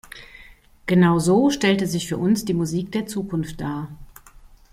Genau so stellte sich für uns die Musik der Zukunft dar.